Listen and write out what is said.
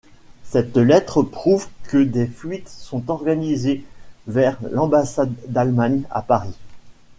Cette lettre prouve que des fuites sont organisées vers l'ambassade d'Allemagne à Paris.